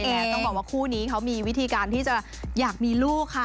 แล้วต้องบอกว่าคู่นี้เขามีวิธีการที่จะอยากมีลูกค่ะ